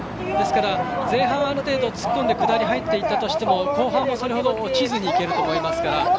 ですから前半ある程度突っ込んでくだり入っていったとしても後半はそれほど落ちずにいけると思いますから。